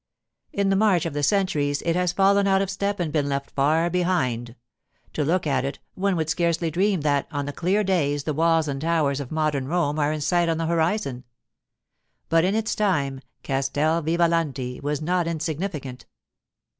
In the march of the centuries it has fallen out of step and been left far behind; to look at it, one would scarcely dream that on the clear days the walls and towers of modern Rome are in sight on the horizon. But in its time Castel Vivalanti was not insignificant.